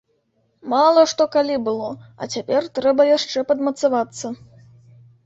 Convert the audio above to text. Мала што калі было, а цяпер трэба яшчэ падмацавацца.